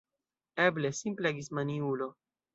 Eble, simple agis maniulo!